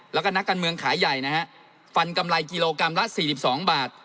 แล้วก็นักการเมืองขายใหญ่นะฮะฟันกำไรกิโลกรัมละ๔๒บาท